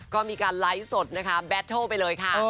ก็มีการไลฟ์สดนะคะแบตโทรไปเลยค่ะ